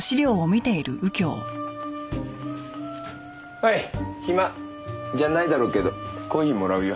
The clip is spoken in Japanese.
おい暇じゃないだろうけどコーヒーもらうよ。